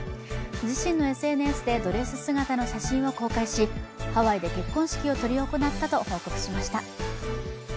自身のＳＮＳでドレス姿の写真を公開しハワイで結婚式を執り行ったと報告しました。